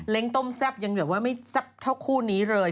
เล้งต้มแซ่บยังเหนือว่าไม่แซ่บเท่าคู่นี้เลย